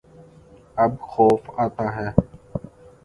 اب خوف آتا ہے